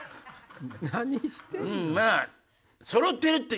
何してんの？